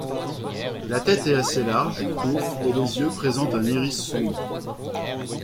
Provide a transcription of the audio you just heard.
La tête est assez large, courte, et les yeux présentent un iris sombre.